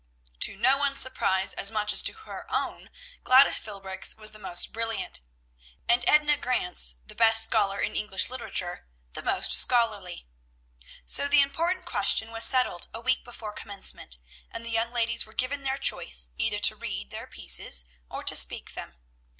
To no one's surprise as much as to her own, Gladys Philbrick's was the most brilliant, and Edna Grant's, the best scholar in English literature, the most scholarly. So the important question was settled a week before commencement, and the young ladies were given their choice, either to read their pieces or to speak them.